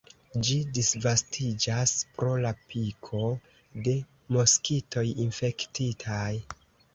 Ĝi disvastiĝas pro la piko de moskitoj infektitaj.